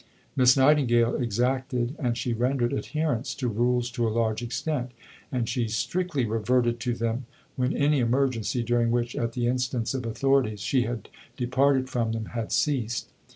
Miss Nightingale exacted and she rendered adherence to rules to a large extent, and she strictly reverted to them when any emergency, during which, at the instance of authorities, she had departed from them, had ceased.